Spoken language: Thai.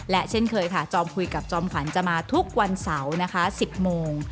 และเช่นเคยค่ะจอมคุยกับจอมขวัญจะมาทุกวันเสาร์นะคะ๑๐โมง